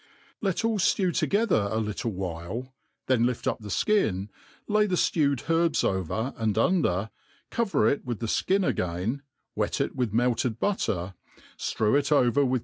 Let all ftew together a little while; then lift up the * ikin, lay the ftewed herb^ovrr and under, cover it with the ikin again, wet it with melted butter, ftrew it over with